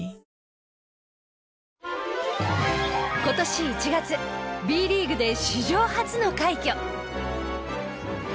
今年１月Ｂリーグで史上初の快挙。